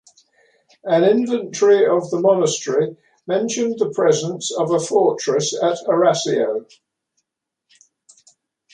An inventory of the monastery mentioned the presence of a fortress at Arasio.